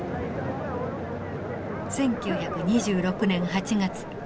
１９２６年８月。